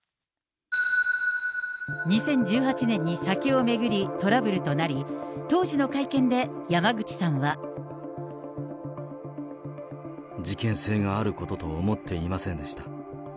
２０１８年に酒を巡りトラブルとなり、当時の会見で山口さんは。事件性があることと思っていませんでした。